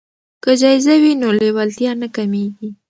که جایزه وي نو لیوالتیا نه کمیږي.